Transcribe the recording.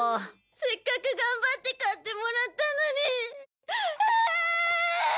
せっかく頑張って買ってもらったのに。